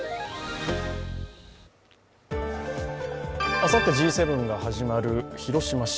あさってＧ７が始まる広島市。